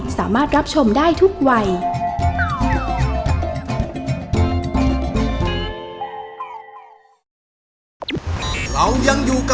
สามารถรับชมได้ทุกวัย